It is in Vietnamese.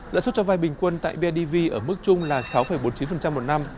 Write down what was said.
lãi suất cho vai bình quân tại bidv ở mức chung là sáu bốn mươi chín một năm